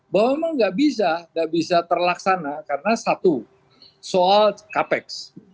bahwa memang nggak bisa nggak bisa terlaksana karena satu soal capex